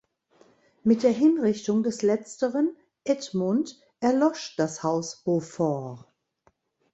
Mit der Hinrichtung des letzteren, Edmund, erlosch das Haus Beaufort.